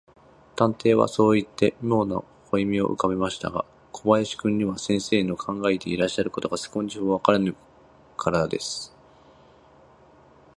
探偵はそういって、みょうな微笑をうかべましたが、小林君には、先生の考えていらっしゃることが、少しもわからぬものですから、